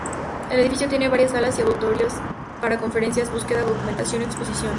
El edificio tiene varias salas y auditorios para conferencias, búsqueda, documentación, y exposiciones.